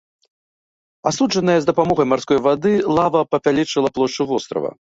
Астуджаная з дапамогай марской вады лава павялічыла плошчу вострава.